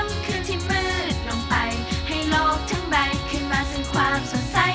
คืนที่ฟืดลงไปให้โลกทั้งใบขึ้นมาซึ่งความสดใส